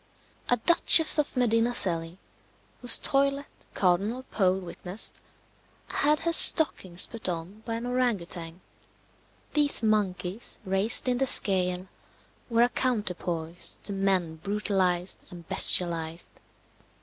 A Duchess of Medina Celi, whose toilet Cardinal Pole witnessed, had her stockings put on by an orang outang. These monkeys raised in the scale were a counterpoise to men brutalized and bestialized.